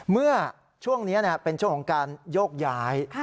เมื่อช่วงนี้เป็นช่วงของการโยกย้าย